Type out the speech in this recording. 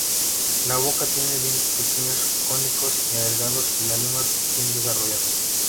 La boca tiene dientes pequeños, cónicos y delgados y la lengua bien desarrollada.